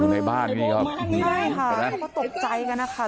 ในบ้านนี้ก็อืมใช่ค่ะก็ตกใจกันนะค่ะ